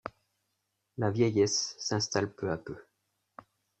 La vieillesse s'installe peu à peu.